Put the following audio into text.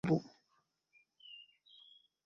Acha hapa.